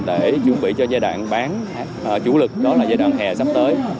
để chuẩn bị cho giai đoạn bán chủ lực đó là giai đoạn hè sắp tới